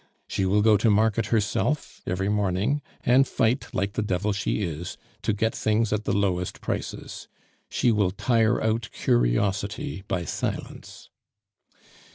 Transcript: She will go to market herself every morning, and fight like the devil she is to get things at the lowest prices; she will tire out curiosity by silence.